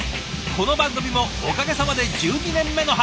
この番組もおかげさまで１２年目の春。